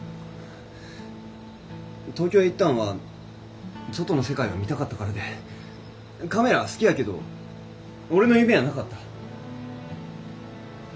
東京へ行ったんは外の世界を見たかったからでカメラは好きやけど俺の夢やなかった。